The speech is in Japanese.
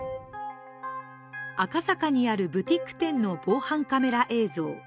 赤坂にあるブティック店の防犯カメラ映像。